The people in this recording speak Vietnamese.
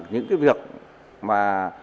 những việc mà